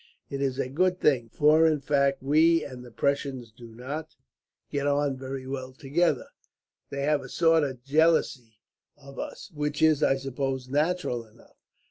It is a good thing, for in fact we and the Prussians do not get on very well together. They have a sort of jealousy of us; which is, I suppose, natural enough.